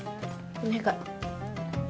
お願い。